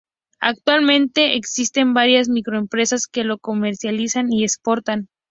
Actualmente, existen varias microempresas que lo comercializan y exportan.